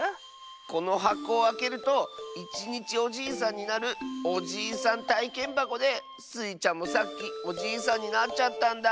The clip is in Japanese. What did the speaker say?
このはこをあけるといちにちおじいさんになるおじいさんたいけんばこでスイちゃんもさっきおじいさんになっちゃったんだ。